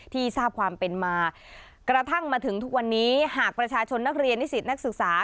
ทราบความเป็นมากระทั่งมาถึงทุกวันนี้หากประชาชนนักเรียนนิสิตนักศึกษา